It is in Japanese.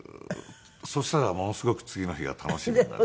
そしたらものすごく次の日が楽しみになるって。